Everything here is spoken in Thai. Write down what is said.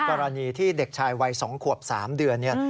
กรณีที่เด็กชายวัย๒ขวบ๓เดือนเนี่ย